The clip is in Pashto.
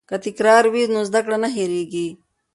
که تکرار وي نو زده کړه نه هېریږي.